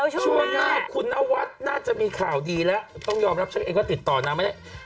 ช่วงหน้าคุณนวัตรน่าจะมีข่าวดีแล้วต้องยอมรับช่างเองก็ติดต่อน้ำเลย